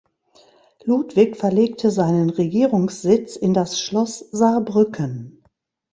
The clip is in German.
Ludwig verlegte seinen Regierungssitz in das Schloss Saarbrücken.